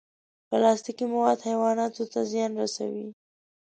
پلاستيکي مواد حیواناتو ته زیان رسوي.